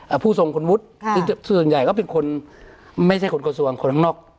ผู้ทรงคุณวุฒิค่ะส่วนใหญ่ก็เป็นคนไม่ใช่คนกระทรวงคนข้างนอก